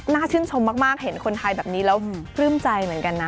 ชื่นชมมากเห็นคนไทยแบบนี้แล้วปลื้มใจเหมือนกันนะ